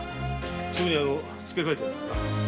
すぐにつけかえてやるからな。